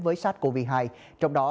với sars cov hai trong đó